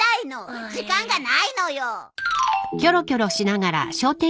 時間がないのよ！